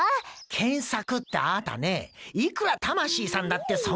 検索ってあたねえいくら魂さんだってそんな事。